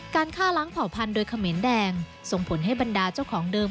การฆ่าล้างเผ่าพันธุ์โดยเขมรแดงส่งผลให้บรรดาเจ้าของเดิม